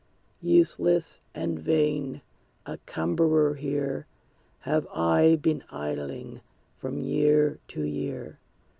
Useless and vain, a cumberer here, Have I been idling from year to year.